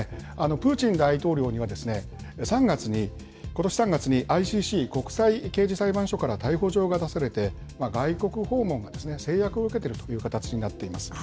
プーチン大統領には３月に、ことし３月に、ＩＣＣ・国際刑事裁判所から逮捕状が出されて、外国訪問が制約を受けているという形になっています。